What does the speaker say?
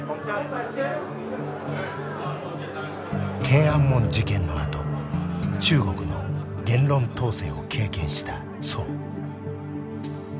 天安門事件のあと中国の言論統制を経験した曽。